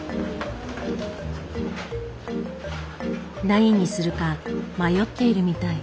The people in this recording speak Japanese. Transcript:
何にするか迷っているみたい。